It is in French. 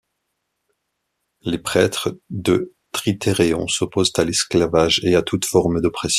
Les prêtres de Trithéréon s'opposent à l'esclavage et à toute forme d'oppression.